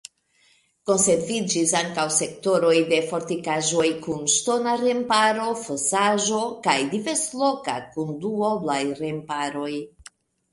Konserviĝis ankaŭ sektoroj de fortikaĵoj kun ŝtona remparo, fosaĵo kaj diversloke kun duoblaj remparoj.